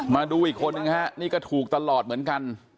มาดูอีกคนนึงฮะนี่ก็ถูกตลอดเหมือนกัน